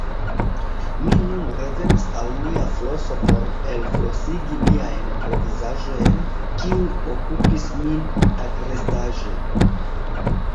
Mi nun revenis al mia floso por elflosigi miajn provizaĵojn, kiu okupis min tagrestaĵe.